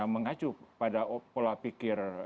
mengacu pada pola pikir